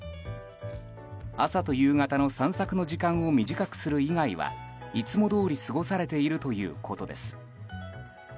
朝と夕方の散策の時間を短くする以外はいつもどおり過ごされているということです。